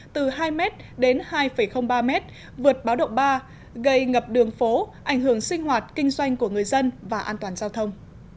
từ hai m đến hai ba m vượt báo động ba gây ngập đường phố ảnh hưởng sinh hoạt kinh doanh của người dân và an toàn giao thông